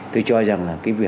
tôi cho rằng là cái việc đi học